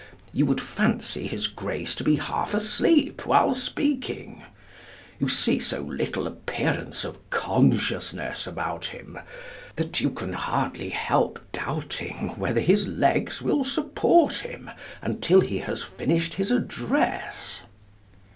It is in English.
You would fancy his grace to be half asleep while speaking. You see so little appearance of consciousness about him that you can hardly help doubting whether his legs will support him until he has finished his address.'